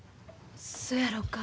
そやろか。